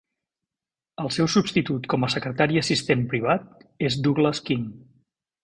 El seu substitut com a secretari assistent privat és Douglas King.